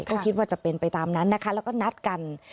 ก็คิดว่าจะเป็นไปตามนั้นนะคะแล้วก็นัดกัน